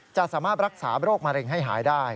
จะสามารถรักษาโรคมะเร็งให้หายได้